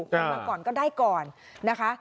มาก่อนก็ได้ก่อนนะคะ